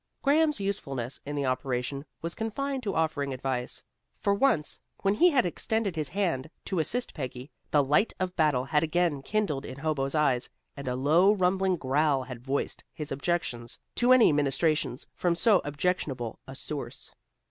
Graham's usefulness in the operation was confined to offering advice; for once, when he had extended his hand to assist Peggy, the light of battle had again kindled in Hobo's eyes, and a low, rumbling growl had voiced his objections to any ministrations from so objectionable a source.